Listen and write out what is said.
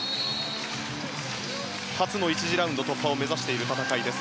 初の１次ラウンド突破を目指した戦いです。